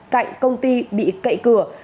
cạnh công ty bị cậy cửa